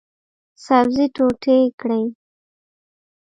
سبزي ټوټې کړئ